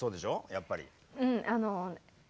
やっぱり。